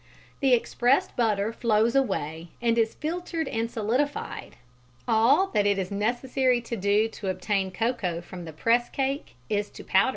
The expressed butter flows away and is filtered and solidified (see page 158). All that it is necessary to do to obtain cocoa from the press cake is to powder it.